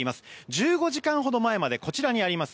１５時間ほど前までこちらにあります